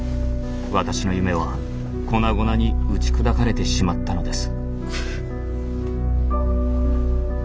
私の夢は粉々に打ち砕かれてしまったのです。